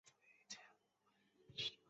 椰树广泛分布于除高地之外的地区。